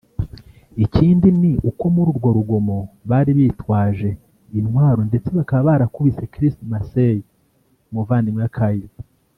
ikindi ni uko muri urwo rugomo bari bitwaje intwaro ndetse bakaba barakubise Chriss Massey umuvandimwe wa Kyle